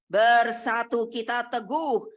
bersatu kita teguh